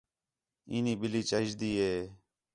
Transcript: اِینی ٻِلّھی چاہیجدی ہِے